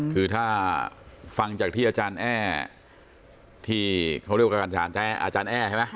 คือถ้าฟังจากที่อาจารย์แอ้ที่เขาเรียกว่าการฐานแท้อาจารย์แอร์ใช่ไหม